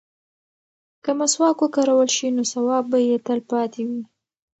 که مسواک وکارول شي نو ثواب به یې تل پاتې وي.